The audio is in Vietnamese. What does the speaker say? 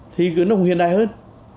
thì nó cũng hiện đại hơn